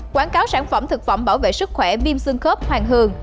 quảng cáo sản phẩm thực phẩm bảo vệ sức khỏe viêm xương khớp hoàng hường